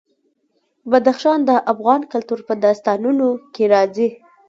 بدخشان د افغان کلتور په داستانونو کې راځي.